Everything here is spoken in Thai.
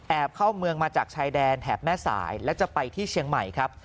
เข้าเมืองมาจากชายแดนแถบแม่สายแล้วจะไปที่เชียงใหม่ครับ